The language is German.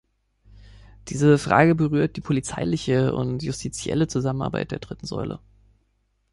Diese Frage berührt die polizeiliche und justizielle Zusammenarbeit der dritten Säule.